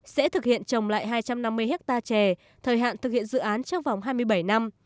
sẽ thực hiện trồng lại hai trăm năm mươi hectare chè thời hạn thực hiện dự án trong vòng hai mươi bảy năm